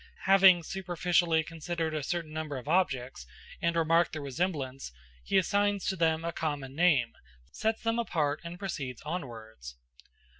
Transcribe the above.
Having superficially considered a certain number of objects, and remarked their resemblance, he assigns to them a common name, sets them apart, and proceeds onwards.